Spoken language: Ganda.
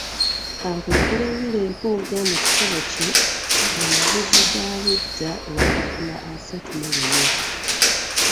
Ka nkulekere Willy Mpuuga mu kitabo kye “Amagezi g’ab’edda olupapula asatu mu lumu.